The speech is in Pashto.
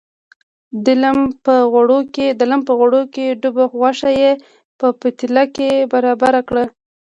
د لم په غوړو کې ډوبه غوښه یې په پتیله کې برابره کړه.